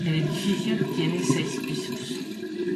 El edificio tiene seis pisos.